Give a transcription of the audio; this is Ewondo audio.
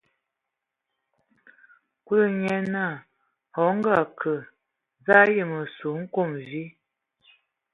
Kúlu nye naa: A o akǝ kə, za a ayi hm ma sug nkom vi?